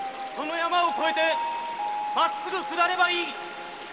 この山を越えてまっすぐ下ればいい